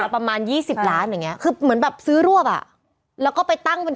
ประมาณยี่สิบล้านอย่างเงี้คือเหมือนแบบซื้อรวบอ่ะแล้วก็ไปตั้งเป็น